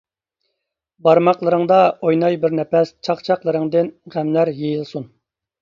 بارماقلىرىڭدا ئويناي بىر نەپەس چاقچاقلىرىڭدىن غەملەر يېيىلسۇن.